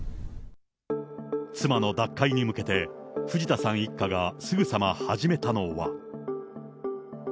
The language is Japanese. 妻の脱会に向けて、藤田さん一家がすぐさま始めたのは。